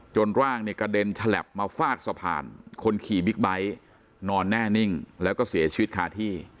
ร่างเนี่ยกระเด็นฉลับมาฟาดสะพานคนขี่บิ๊กไบท์นอนแน่นิ่งแล้วก็เสียชีวิตคาที่